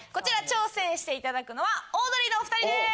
挑戦していただくのはオードリーのお２人です。